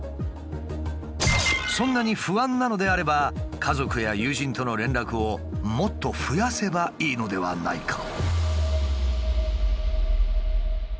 そんなに不安なのであれば家族や友人との連絡をもっと増やせばいいのではないか？